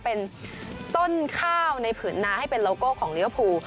เป็นต้นข้าวในผืนหน้าให้เป็นโลโก้ของลิเวอร์ภู